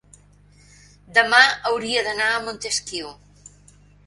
demà hauria d'anar a Montesquiu.